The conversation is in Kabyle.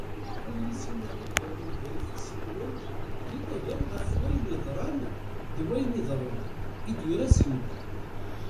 "Tullisin-a d-yeɣlin ger yifassen-nwen d inagan ɣef wayen yeḍran d wayen d-iḍerrun" i d-yura Zimu.